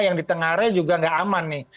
yang di tengah re juga nggak aman nih